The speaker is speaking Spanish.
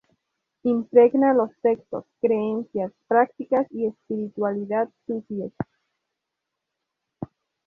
Impregna los textos, creencias, prácticas y espiritualidad sufíes.